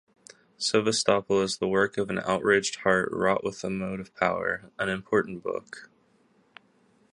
"Sevastopol" is the work of an outraged heart wrought with emotive power--an important book.